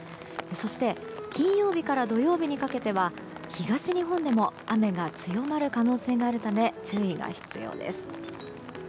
そして金曜日から土曜日にかけては東日本でも雨が強まる可能性があるため注意が必要です。